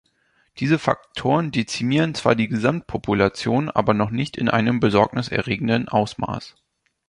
Diese Faktoren dezimieren zwar die Gesamtpopulation, aber noch nicht in einem besorgniserregenden Ausmaß.